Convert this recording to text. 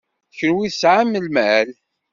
Kenwi tesɛam imal.